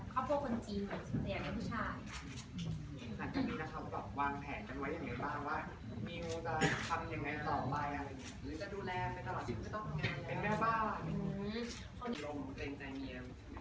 ครอบครัวคนจีนแต่ไม่มีผู้ชาย